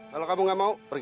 kalau kamu gak mau pergi